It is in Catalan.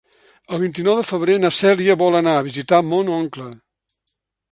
El vint-i-nou de febrer na Cèlia vol anar a visitar mon oncle.